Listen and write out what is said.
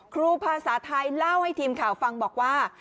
ครูภาษาไทยเล่าให้ทีมข่าวฟังบอกว่า